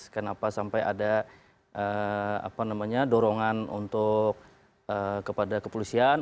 kenapa sampai ada apa namanya dorongan untuk kepada kepolisian